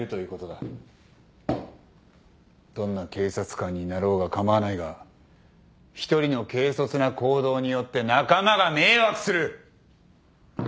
どんな警察官になろうが構わないが一人の軽率な行動によって仲間が迷惑する！